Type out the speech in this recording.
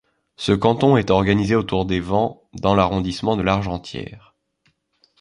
Ce canton est organisé autour des Vans dans l'arrondissement de Largentière.